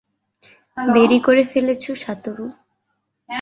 দেরি করে ফেলেছো, সাতোরু।